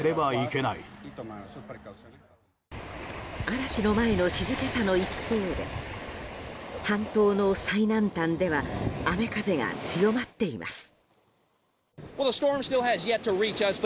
嵐の前の静けさの一方で半島の最南端では雨風が強まっています。